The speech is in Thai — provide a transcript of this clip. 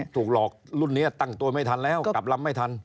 ถูกหลอกรุ่นนี้ตั้งตัวไม่ทันแล้วกลับลำไม่ทัน